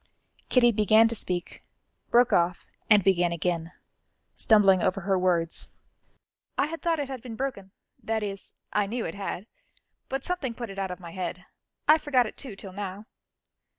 Kitty began to speak, broke off, and began again, stumbling over her words: "I had thought it had been broken that is, I knew it had but something put it out of my head I forgot it too till now."